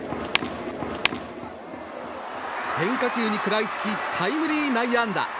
変化球に食らいつきタイムリー内野安打。